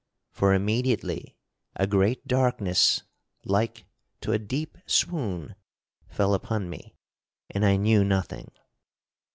For immediately a great darkness like to a deep swoon fell upon me and I knew nothing.